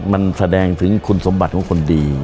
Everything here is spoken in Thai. มันแสดงถึงคุณสมบัติของคนดี